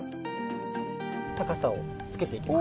高さをつけていきます。